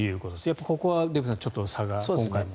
やっぱりここはデーブさんちょっと差が、今回も。